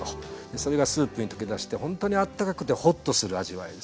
それがスープに溶け出してほんとにあったかくてほっとする味わいですね。